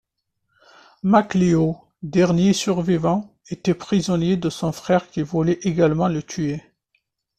Macliau, dernier survivant, était prisonnier de son frère qui voulait également le tuer.